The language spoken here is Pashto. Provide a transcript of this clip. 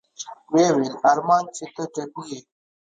ويې ويل ارمان چې ته ټپي يې.